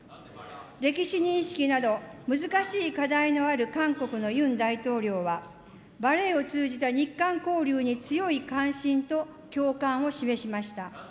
歴史認識など、難しい課題のある韓国のユン大統領は、バレエを通じた日韓交流に強い関心と共感を示しました。